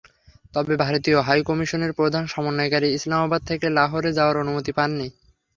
তবে ভারতীয় হাইকমিশনের প্রধান সমন্বয়কারী ইসলামাবাদ থেকে লাহোরে যাওয়ার অনুমতি পাননি।